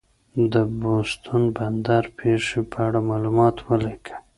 د بوستون بندر پېښې په اړه معلومات ولیکئ.